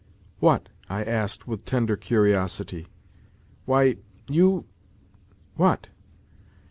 " What ?" I asked, with tender curiosity. " Why, you ..;"" What